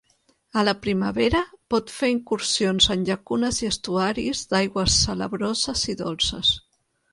A la primavera, pot fer incursions en llacunes i estuaris d'aigües salabroses i dolces.